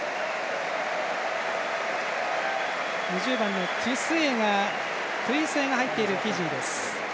２０番のトゥイスエが入っているフィジーです。